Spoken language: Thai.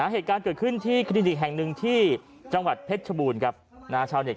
เหตุการณ์เกิดขึ้นที่คลินิกแห่งหนึ่งที่จังหวัดเพชรชบูรณ์ครับนะฮะชาวเต็